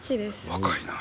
若いな。